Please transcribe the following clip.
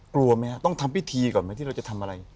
กลัวไหมครับต้องทำพิธีก่อนไหมที่เราจะทำอะไร